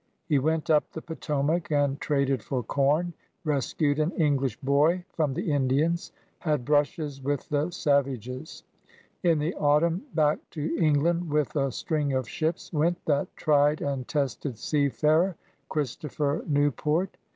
He went up the Potomac and traded for com; rescued an English boy from the Indians; had brushes with the sav ages. In the autumn back to England with a string of ships went that tried and tested seafarer Christopher Newport.